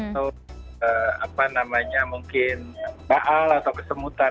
atau apa namanya mungkin baal atau kesemutan